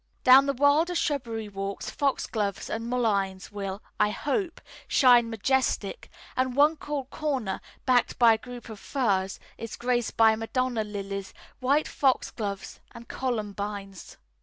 Down the wilder shrubbery walks foxgloves and mulleins will (I hope) shine majestic; and one cool corner, backed by a group of firs, is graced by Madonna lilies, white foxgloves, and columbines.